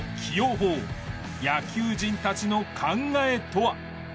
法野球人たちの考えとは？